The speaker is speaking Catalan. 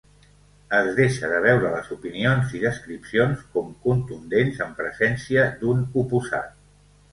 Es deixa de veure les opinions i descripcions com contundents en presència d'un oposat.